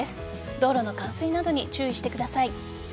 道路の冠水などに注意してください。